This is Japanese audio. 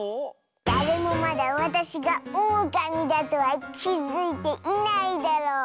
だれもまだわたしがオオカミだとはきづいていないだろう。